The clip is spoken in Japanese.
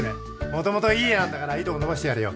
もともといい家なんだからいいとこ伸ばしてやれよ。